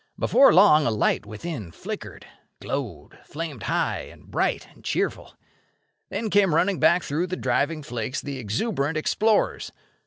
Before long a light within flickered, glowed, flamed high and bright and cheerful. Then came running back through the driving flakes the exuberant explorers.